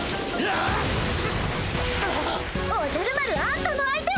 おじゃる丸あんたの相手は！